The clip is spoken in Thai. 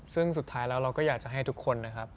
ซึ่งสุดท้ายแล้วเราก็อยากจะให้ทุกคนนะครับ